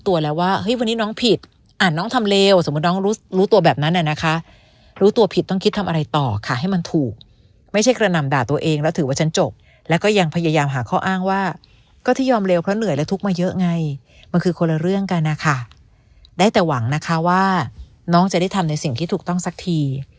ตัวแล้วว่าเฮ้ยวันนี้น้องผิดอ่านน้องทำเลวสมมุติน้องรู้ตัวแบบนั้นนะคะรู้ตัวผิดต้องคิดทำอะไรต่อค่ะให้มันถูกไม่ใช่กระหน่ำด่าตัวเองแล้วถือว่าฉันจบแล้วก็ยังพยายามหาข้ออ้างว่าก็ที่ยอมเลวเพราะเหนื่อยและทุกข์มาเยอะไงมันคือคนละเรื่องกันนะคะได้แต่หวังนะคะว่าน้องจะได้ทำในสิ่งที่ถูกต้องสักที